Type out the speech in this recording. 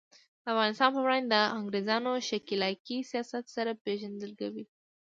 د افغانستان په وړاندې د انګریزانو ښکیلاکي سیاست سره پیژندګلوي.